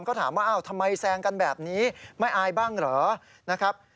ก็ถามว่าอ้าวทำไมแซงกันแบบนี้ไม่อายบ้างเหรอนะครับ